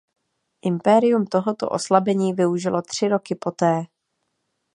Impérium tohoto oslabení využilo tři roky poté.